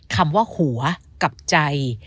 คำว่าหัวกับใจ